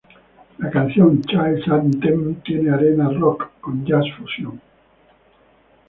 La canción "Child's Anthem" tiene arena rock con jazz fusion.